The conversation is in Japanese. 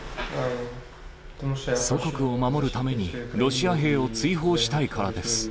祖国を守るためにロシア兵を追放したいからです。